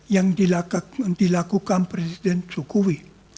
yang dilakukan presiden jokowi